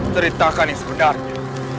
ceritakan yang sebenarnya